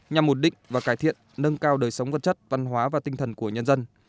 nhằm ổn định và cải thiện nâng cao đời sống vật chất văn hóa và tinh thần của nhân dân